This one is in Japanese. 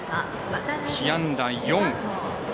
被安打４。